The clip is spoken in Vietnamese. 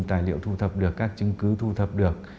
tài liệu thu thập được các chứng cứ thu thập được